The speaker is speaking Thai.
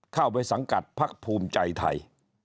เข้าไปสังกัดพักภูมิใจไทย